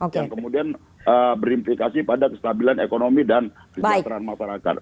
dan kemudian berimplikasi pada kestabilan ekonomi dan kejahatan masyarakat